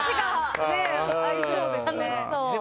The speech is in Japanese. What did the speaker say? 楽しそう。